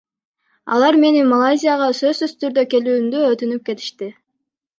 Алар мени Малайзияга сөзсүз түрдө келүүмдү өтүнүп кетишти.